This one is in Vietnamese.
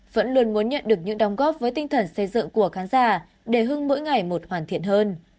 hương sẽ được những đóng góp với tinh thần xây dựng của khán giả để hương mỗi ngày một hoàn thiện hơn